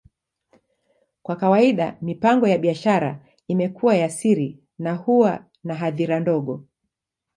Kwa kawaida, mipango ya biashara imekuwa ya siri na huwa na hadhira ndogo.